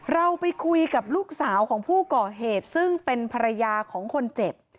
เราไปคุยกับลูกสาวของผู้ก่อเหตุซึ่งเป็นภรรยาของคนเจ็บ